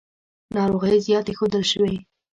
ناروغۍ زیاتې ښودل شوې.